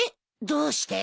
どうして？